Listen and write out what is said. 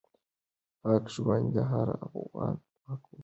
پاک ژوند د هر افغان حق دی.